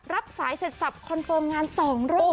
รับสายเสร็จสับคอนเฟิร์มงาน๒รอบ